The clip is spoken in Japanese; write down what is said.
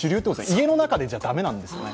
家の中でじゃ駄目なんですよね。